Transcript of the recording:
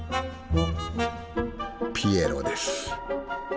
ピエロです。